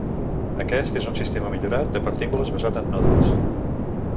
Aquest, és un sistema millorat de partícules basat en nodes.